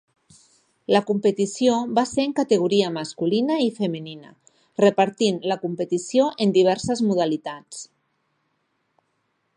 La competició va ser en categoria masculina i femenina repartint la competició en diverses modalitats.